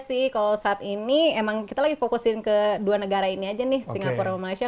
saya rasa kalau saat ini memang kita lagi fokusin ke dua negara ini aja nih singapura dan malaysia